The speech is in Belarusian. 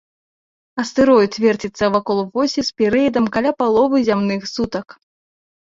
Астэроід верціцца вакол восі з перыядам каля паловы зямных сутак.